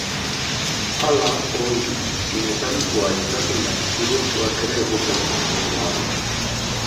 Pala, ohi, metalikoa izaten da, zurezkoak ere egon daitezkeen arren.